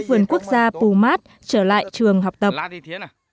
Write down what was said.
vườn quốc gia pumat trở lại trường học tập